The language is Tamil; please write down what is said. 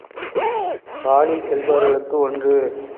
பாடிச் செல்பவர்களுக்கு ஒன்று.